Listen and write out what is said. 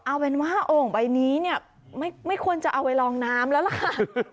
เอาเป็นว่าโอ่งใบนี้เนี่ยไม่ควรจะเอาไปลองน้ำแล้วล่ะ